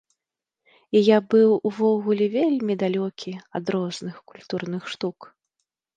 І я быў увогуле вельмі далёкі ад розных культурных штук.